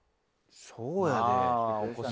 そうやで。